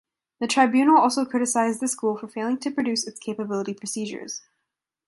The tribunal also criticised the school for failing to produce its capability procedures.